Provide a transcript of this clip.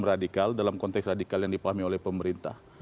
radikal dalam konteks radikal yang dipahami oleh pemerintah